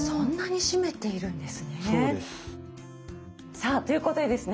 さあということでですね